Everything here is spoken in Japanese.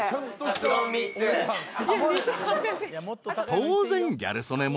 ［当然ギャル曽根も］